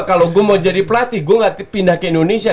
kalau gue mau jadi pelatih gue gak pindah ke indonesia